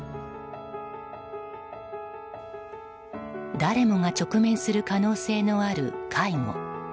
誰もが直面する可能性のある介護。